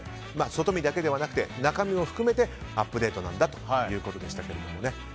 外身だけでなくて中身も含めてアップデートなんだということでしたけれどね。